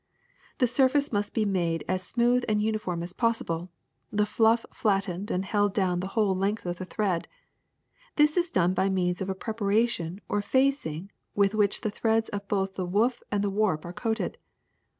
The surface must be made as smooth and uniform as possible, the fluff flattened and held down the whole length of the thread. This is done by means of a preparation or facing with which the threads of both the woof and the warp are coated.